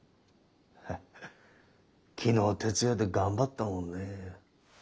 ・ハッハ昨日徹夜で頑張ったもんねぇ。